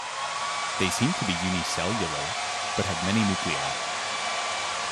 They seem to be unicellular, but have many nuclei.